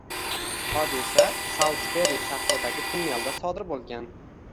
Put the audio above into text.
Hodisa Solsberi shahridagi tunnelda sodir bo‘lgan